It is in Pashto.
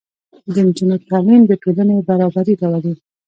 د نجونو تعلیم د ټولنې برابري راولي.